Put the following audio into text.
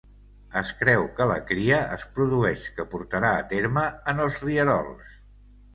Es creu que la cria es produeix que portarà a terme en els rierols.